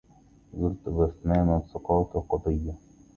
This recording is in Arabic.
زلت بأفهام الثقات قضية